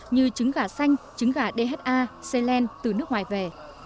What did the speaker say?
như trứng gà xanh trứng gà dha xê len từ nước ngoài về